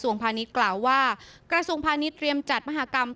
ในการจัดแบบกิน